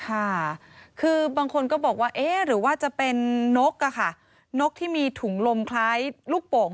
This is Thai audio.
ค่ะคือบางคนก็บอกว่าเอ๊ะหรือว่าจะเป็นนกอะค่ะนกที่มีถุงลมคล้ายลูกโป่ง